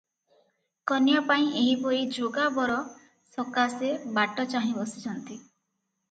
କନ୍ୟାପାଇଁ ଏହିପରି ଯୋଗା ବର ସକାଶେ ବାଟ ଚାହିଁ ବସିଛନ୍ତି ।